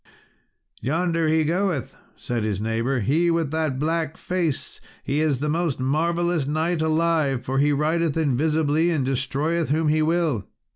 "Yonder he goeth," said his neighbour, "he with that black face; he is the most marvellous knight alive, for he rideth invisibly, and destroyeth whom he will."